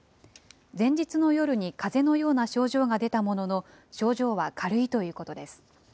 前日の夜にかぜのような症状が出たものの、症状は軽いということです。